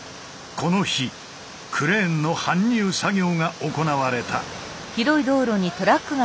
この日クレーンの搬入作業が行われた。